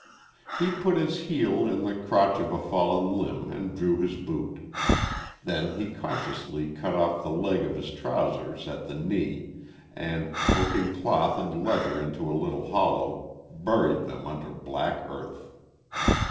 He put his heel in the crotch of a fallen limb and drew his boot. Then he cautiously cut off the leg of his trousers at the knee, and, poking cloth and leather into a little hollow, buried them under black earth.